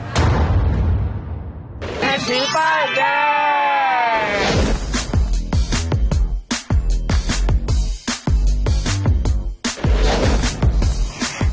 แพทย์ถือไปได้